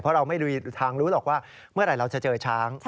เพราะเราไม่รู้ทางรู้หรอกว่าเมื่อไหร่เราจะเจอช้าง